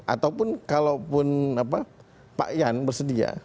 ataupun kalaupun pak yan bersedia